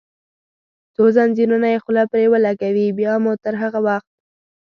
څو زنځیرونه یې خوله پرې ولګوي، بیا مو تر هغه وخت.